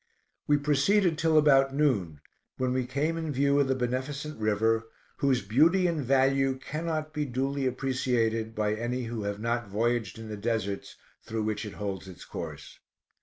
We proceeded till about noon, when we came in view of the beneficent river, whose beauty and value cannot be duly appreciated by any who have not voyaged in the deserts through which it holds its course.